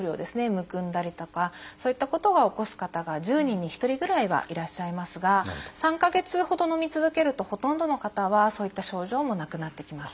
むくんだりとかそういったことを起こす方が１０人に１人ぐらいはいらっしゃいますが３か月ほどのみ続けるとほとんどの方はそういった症状もなくなってきます。